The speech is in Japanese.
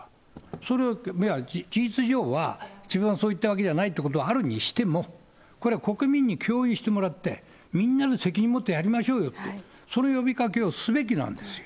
それを、事実上は、自分はそう言ったわけじゃないというのはあるにしても、これは国民に共有してもらって、みんなで責任を持ってやりましょうよと、その呼びかけをすべきなんです。